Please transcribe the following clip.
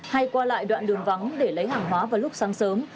hay qua lại đoạn đường vắng để lấy hàng hóa vào lúc sáng sớm